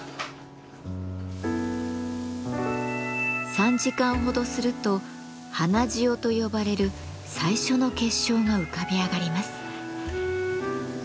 ３時間ほどすると花塩と呼ばれる最初の結晶が浮かび上がります。